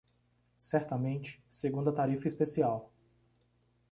Certamente, segundo a tarifa especial.